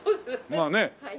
まあね。